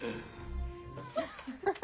ハハハハ。